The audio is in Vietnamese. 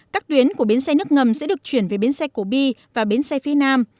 các tuyến của bến xe nước ngầm sẽ được chuyển về bến xe cổ bi và bến xe phía nam